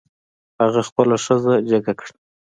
هغه خپله ښځه جګه کړه.